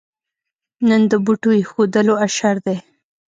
نن د بوټو اېښودلو اشر دی.